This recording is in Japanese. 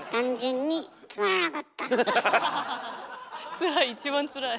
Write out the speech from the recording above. つらい一番つらい。